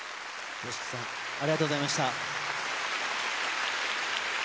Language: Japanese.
ＹＯＳＨＩＫＩさん、ありがとうございました。